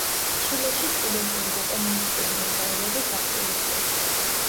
ჩილეში სტუდენტური და კომუნისტური მოძრაობების აქტივისტი.